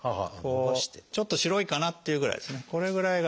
ちょっと白いかなっていうぐらいですねこれぐらいが。